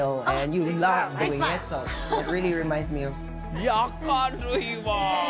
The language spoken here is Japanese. いや明るいわ！